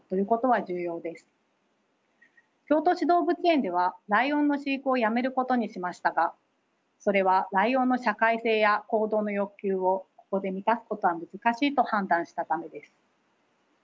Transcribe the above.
京都市動物園ではライオンの飼育をやめることにしましたがそれはライオンの社会性や行動の欲求をここで満たすことは難しいと判断したためです。